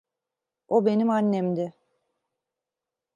O benim annemdi.